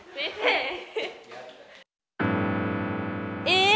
え！